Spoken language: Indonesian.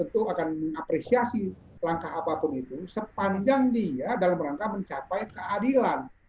tentu akan mengapresiasi langkah apapun itu sepanjang dia dalam rangka mencapai keadilan